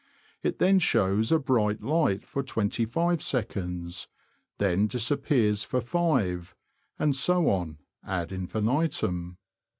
It then shows a bright light for twenty five seconds, again disappears for five, and so on ad infinitum.